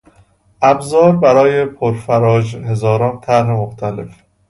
ابزار برای پرفراژ هزاران طرح مختلف